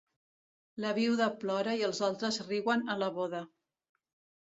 La viuda plora i els altres riuen en la boda.